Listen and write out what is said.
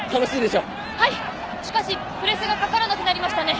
しかしプレスがかからなくなりましたね。